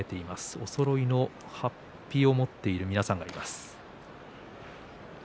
おそろいのはっぴを持っている皆さんがいます。